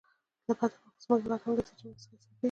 له بده مرغه زموږ هیواد هم له دې جملې څخه حسابېږي.